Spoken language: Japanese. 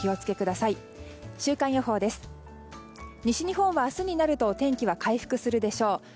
西日本は明日になると天気は回復するでしょう。